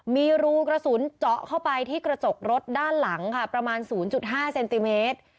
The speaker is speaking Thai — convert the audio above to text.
มีรูกระสุนเจาะเข้าไปที่กระจกรถด้านหลังค่ะประมาณ๐๕เซนติเมตร